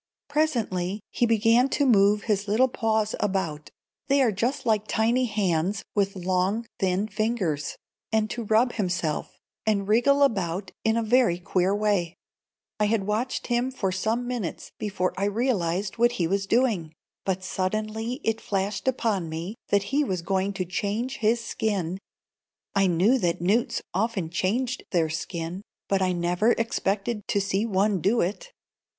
Presently he began to move his little paws about (they are just like tiny hands, with long, thin fingers), and to rub himself, and wriggle about in a very queer way. I had watched him for some minutes before I realized what he was doing, but suddenly it flashed upon me that he was going to change his skin. I knew that newts often changed their skin, but I never expected to see one do it.